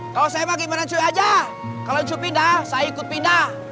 kalau saya mah gimana ncoy aja kalau ncoy pindah saya ikut pindah